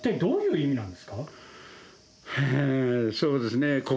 そうですね。